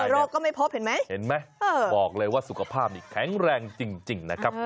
โรคก็ไม่พบเห็นไหมเห็นไหมบอกเลยว่าสุขภาพนี่แข็งแรงจริงนะครับ